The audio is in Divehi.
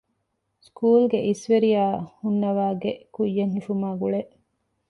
ސުކޫލްގެ އިސްވެރިޔާ ހުންނަވާގެ ކުއްޔަށް ހިފުމާއި ގުޅޭ